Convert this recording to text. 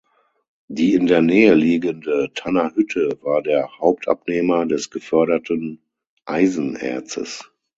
Die in der Nähe liegende Tanner Hütte war der Hauptabnehmer des geförderten Eisenerzes.